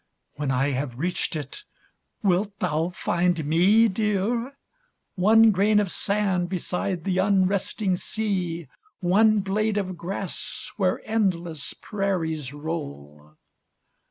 When I have reached it, wilt thou find me, dear ? One grain of sand beside the unresting sea — One blade of grass where endless prairies roll